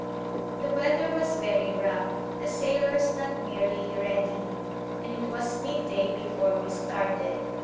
The weather was very rough, the sailors not nearly ready, and it was midday before we started.